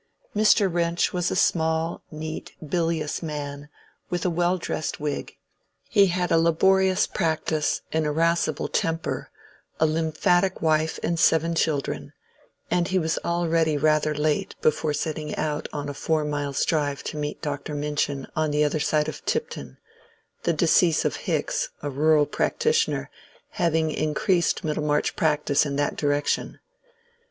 Mr. Wrench was a small, neat, bilious man, with a well dressed wig: he had a laborious practice, an irascible temper, a lymphatic wife and seven children; and he was already rather late before setting out on a four miles drive to meet Dr. Minchin on the other side of Tipton, the decease of Hicks, a rural practitioner, having increased Middlemarch practice in that direction.